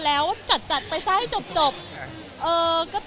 อเรนนี่เติม